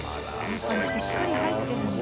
やっぱりしっかり入ってるんだ。